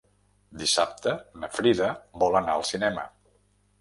Dissabte na Frida vol anar al cinema.